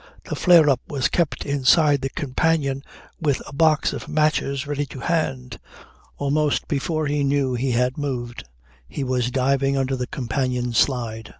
The flare up was kept inside the companion with a box of matches ready to hand. Almost before he knew he had moved he was diving under the companion slide.